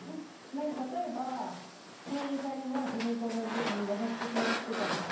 何か例えば店員さんにも自分と同じように優しく接してたりとか。